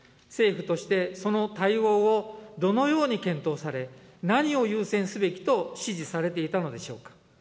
政府としてその対応をどのように検討され、何を優先すべきと指示されていたのでしょうか。